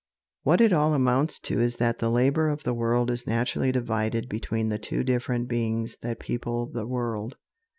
What it all amounts to is that the labor of the world is naturally divided between the two different beings that people the world.